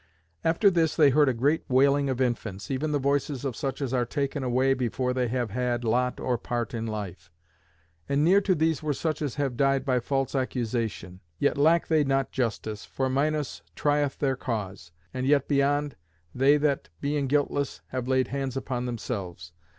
After this they heard a great wailing of infants, even the voices of such as are taken away before they have had lot or part in life. And near to these were such as have died by false accusation; yet lack they not justice, for Minos trieth their cause. And yet beyond, they that, being guiltless, have laid hands upon themselves.